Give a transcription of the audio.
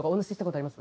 あります